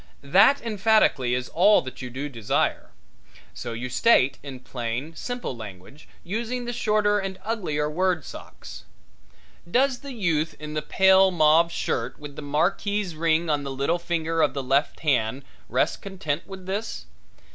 That emphatically is all that you do desire. You so state in plain, simple language, using the shorter and uglier word socks. Does the youth in the pale mauve shirt with the marquise ring on the little finger of the left hand rest content with this?